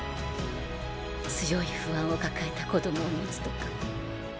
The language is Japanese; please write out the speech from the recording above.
強い不安を抱えた子供を持つとか。